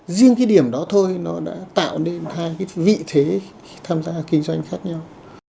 riêng cái điểm đó thôi đã tạo nên hai vị thế tham gia kinh doanh khác nhau